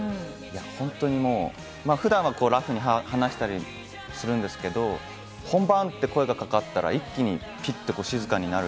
普段はラフに話したりするんですけど、本番って声がかかったら、一気にピッと静かになる。